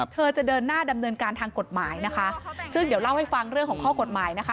เธอจะเดินหน้าดำเนินการทางกฎหมายนะคะซึ่งเดี๋ยวเล่าให้ฟังเรื่องของข้อกฎหมายนะคะ